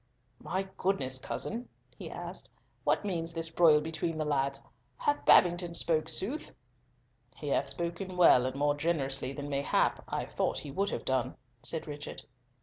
"My good cousin," he asked, "what means this broil between the lads? Hath Babington spoken sooth?" "He hath spoken well and more generously than, mayhap, I thought he would have done," said Richard.